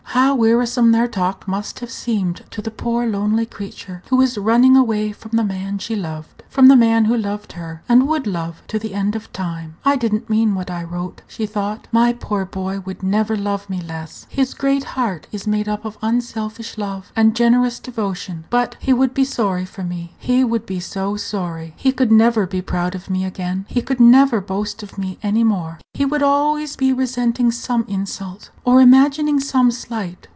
How wearisome their talk must have seemed to the poor lonely creature who was running away from the man she loved from the man who loved her, and would love to the end of time. "I did n't mean what I wrote," she thought. Page 148 "My poor boy would never love me less. His great heart is made up of unselfish love and generous devotion. But he would be sorry for me; he would be so sorry! He could never be proud of me again; he could never boast of me any more. He would be always resenting some insult, or imagining some slight.